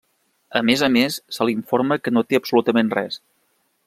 A més a més se l’informa que no té absolutament res.